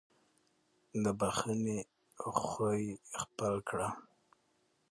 د بښنې خوی خپل کړئ.